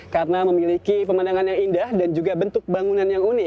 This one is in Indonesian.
karena memiliki pemandangan yang indah dan juga bentuk berbeda